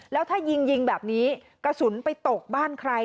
แล้วถ้ายิงยิงแบบนี้กระสุนไปตกบ้านใคร